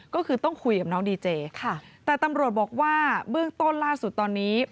ก็คือต้องคุยกับน้องดีเจค่ะแต่ตำรวจบอกว่าเบื้องต้นล่าสุดตอนนี้